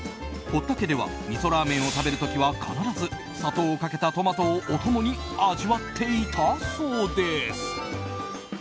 堀田家ではみそラーメンを食べる時は必ず砂糖をかけたトマトをお供に味わっていたそうです。